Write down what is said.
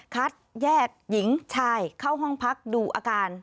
คัดแยกหญิงชายเข้าห้องพักดูอาการ